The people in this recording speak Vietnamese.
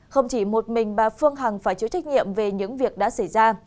không chỉ một mình bà phương hằng phải chịu trách nhiệm về những việc đã xảy ra